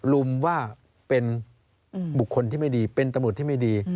รุมว่าเป็นบุคคลที่ไม่ดีเป็นตำรวจที่ไม่ดี